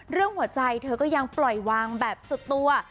เรื่องหัวใจเธอก็ยังปล่อยวางแบบสัตว์ตัว